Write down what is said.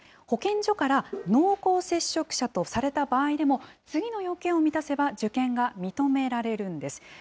保健所から濃厚接触者とされた場合でも、次の要件を満たせば、受験が認められるんです。